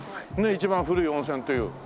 一番古い温泉という。